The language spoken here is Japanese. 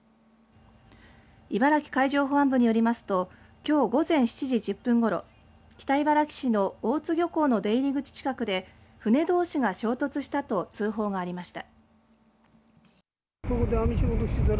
茨城海上保安部によりますときょう午前７時１０分ごろ北茨城市の大津漁港の出入り口近くで船どうしが衝突したと通報がありました。